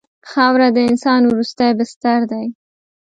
خاوره د انسان وروستی بستر دی.